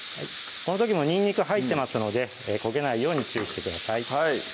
この時もにんにく入ってますので焦げないように注意してください